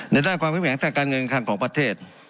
ในหน้าความแข็งแข็งการเงินการของประเทศ